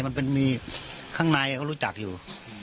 มันมีข้างในเขารู้จักอยู่